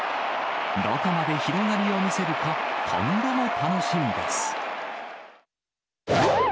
どこまで広がりを見せるか、今後も楽しみです。